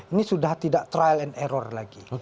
ini sudah tidak trial and error lagi